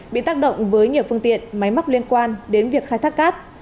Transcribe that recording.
bị tác động với nhiều phương tiện máy móc liên quan đến việc khai thác cát